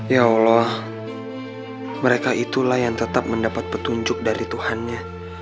ya allah mereka itulah yang tetap mendapat petunjuk dari tuhannya